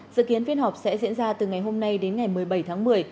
dự kiến phiên họp sẽ diễn ra từ ngày hôm nay đến ngày một mươi bảy tháng một mươi